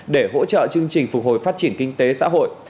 để hỗ trợ chương trình phục hồi phát triển kinh tế xã hội